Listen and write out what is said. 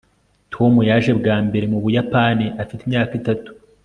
tom yaje bwa mbere mu buyapani afite imyaka itatu